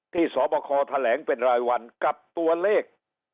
สบคแถลงเป็นรายวันกับตัวเลข